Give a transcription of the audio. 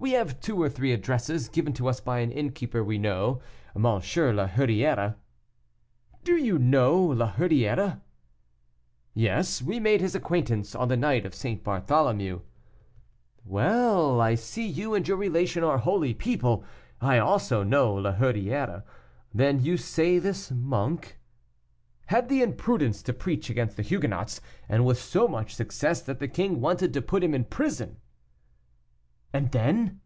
"We have two or three addresses given to us by an innkeeper we know, M. la Hurière." "Do you know La Hurière?" "Yes, we made his acquaintance on the night of St. Bartholomew." "Well, I see you and your relation are holy people; I also know La Hurière. Then you say this monk " "Had the imprudence to preach against the Huguenots, and with so much success that the king wanted to put him in prison." "And then?"